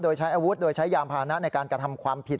โดยใช้อาวุธโดยใช้ยานพานะในการกระทำความผิด